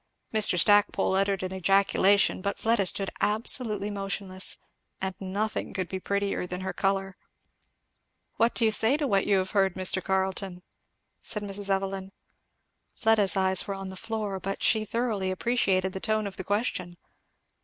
Mr. Stackpole uttered an ejaculation, but Fleda stood absolutely motionless, and nothing could be prettier than her colour. "What do you say to what you have heard, Mr. Carleton?" said Mrs. Evelyn. Fleda's eyes were on the floor, but she thoroughly appreciated the tone of the question.